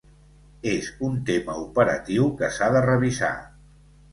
És un tema operatiu que s’ha de revisar.